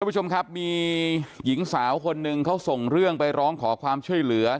ผู้ชมครับมีหญิงสาวคนหนึ่งเขาส่งเรื่องไปร้องขอความช่วยเหลือ